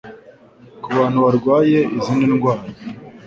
ku bantu barwaye izindi ndwara